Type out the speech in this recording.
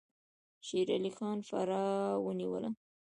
شیر علي خان فراه ونیوله.